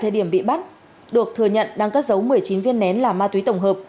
được thừa nhận đăng cất dấu một mươi chín viên nén là ma túy tổng hợp